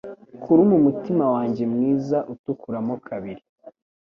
Kuruma umutima wanjye mwiza utukura mo kabiri.